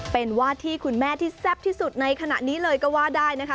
เป็นวาดที่คุณแม่ที่แซ่บที่สุดในขณะนี้เลยก็ว่าได้นะคะ